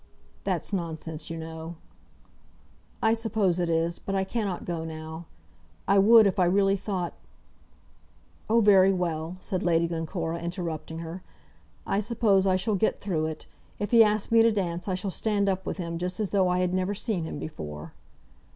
"That's nonsense, you know." "I suppose it is, but I cannot go now. I would if I really thought " "Oh, very well," said Lady Glencora, interrupting her. "I suppose I shall get through it. If he asks me to dance, I shall stand up with him, just as though I had never seen him before."